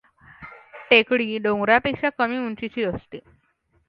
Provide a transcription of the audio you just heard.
टेकडी डोंगरापेक्षा कमी उंचीची असते.